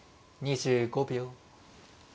２５秒。